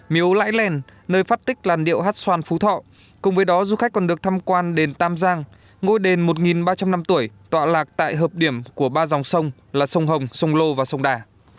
miếu lãi lèn nơi phát tích làn điệu hát xoan phú thọ cùng với đó du khách còn được tham quan đền tam giang ngôi đền một ba trăm linh năm tuổi tọa lạc tại hợp điểm của ba dòng sông là sông hồng sông lô và sông đà